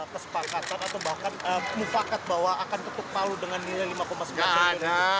kesepakatan atau bahkan mufakat bahwa akan ketuk palu dengan nilai lima sembilan triliun